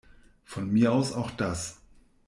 Von mir aus auch das.